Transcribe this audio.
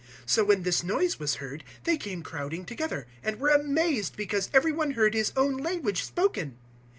002:006 So when this noise was heard, they came crowding together, and were amazed because everyone heard his own language spoken.